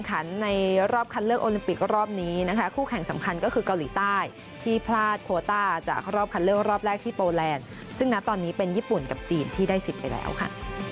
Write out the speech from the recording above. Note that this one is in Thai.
กับจีนที่ได้สินไปแล้วค่ะ